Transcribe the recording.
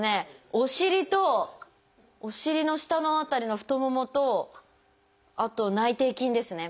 お尻とお尻の下の辺りの太ももとあと内転筋ですね。